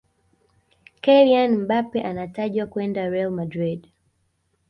kylian mbappe anatajwa kwenda real madrid